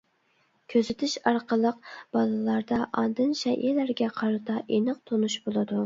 كۆزىتىش ئارقىلىق بالىلاردا ئاندىن شەيئىلەرگە قارىتا ئېنىق تونۇش بولىدۇ.